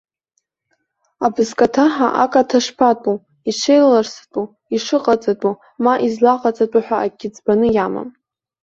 Абызкаҭаҳа акаҭа шԥатәу, ишеиларстәу, ишыҟаҵатәу, ма излаҟаҵатәу ҳәа акгьы ӡбаны иамам.